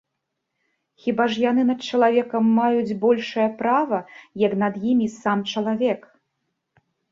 Хіба ж яны над чалавекам маюць большае права, як над імі сам чалавек?